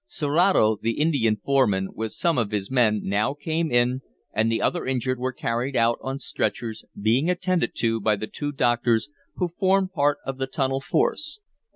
Serato, the Indian foreman, with some of his men now came in, and the other injured were carried out on stretchers, being attended to by the two doctors who formed part of the tunnel force.